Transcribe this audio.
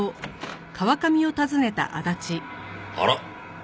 あら？